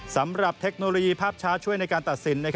สำหรับเทคโนโลยีภาพชาติช่วยในการตัดสิน